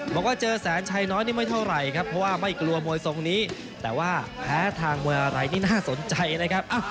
บอกว่าเจอแสนชัยน้อยนี่ไม่เท่าไหร่ครับเพราะว่าไม่กลัวมวยทรงนี้แต่ว่าแพ้ทางมวยอะไรนี่น่าสนใจนะครับ